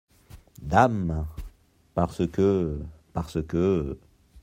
Dame !… parce que… parce que…